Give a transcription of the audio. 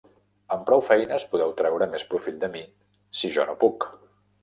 Amb prou feines podeu treure més profit de mi si jo no puc.